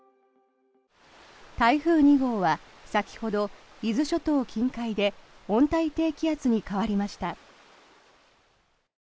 台風２号は先ほど伊豆諸島近海で温帯低気圧に変わりました。